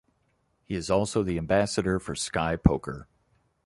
He is also the Ambassador for Sky Poker.